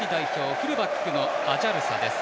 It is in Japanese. フルバックのアジャルサです。